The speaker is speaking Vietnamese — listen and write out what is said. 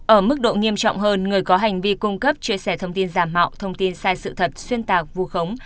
ở mức độ nghiêm trọng hơn người có hành vi cung cấp chia sẻ thông tin giả mạo thông tin sai sự thật xuyên tạc vu khống